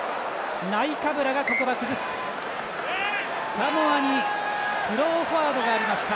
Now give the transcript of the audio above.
サモアにスローフォワードがありました。